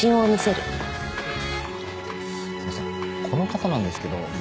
この方なんですけど。